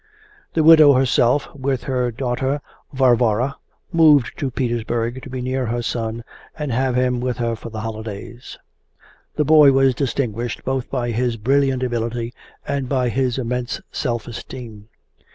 The widow herself, with her daughter, Varvara, moved to Petersburg to be near her son and have him with her for the holidays. The boy was distinguished both by his brilliant ability and by his immense self esteem.